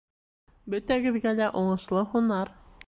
Бөтәгеҙгә лә уңышлы һунар!